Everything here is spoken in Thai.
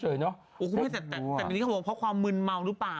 แต่ทีนี้เขาบอกว่าเพราะความมืนเมาหรือเปล่า